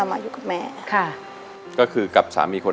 ร้องได้ให้ร้อง